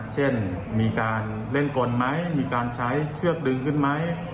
เช่นมีการเล่นกลไหมมีการใช้เชือกดึงขึ้นไหม